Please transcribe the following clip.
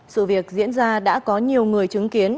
sự việc diễn ra đã có nhiều người chứng kiến